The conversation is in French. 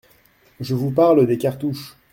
Je vous parle des cartouches.